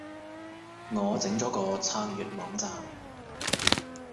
我整咗個撐粵網站